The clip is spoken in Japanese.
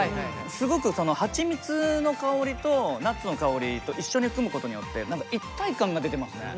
すごくはちみつの香りとナッツの香りと一緒に組むことによって一体感が出てますね。